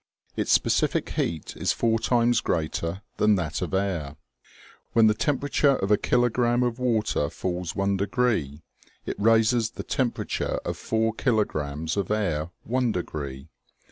Its specific heat is four times greater than that of air. When the temperature of a kilogram of water falls one degree, it raises the temperature of four kilograms of air one degree.